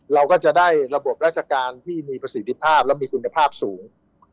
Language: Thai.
เราก็จะได้ระบบราชการที่มีประสิทธิภาพและมีคุณภาพสูง